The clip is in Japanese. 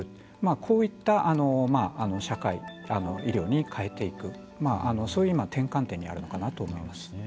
こういった社会医療に変えていくそういう転換点にあるのかなと思います。